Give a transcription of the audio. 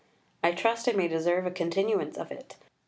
I trust I may deserve a continuance of it.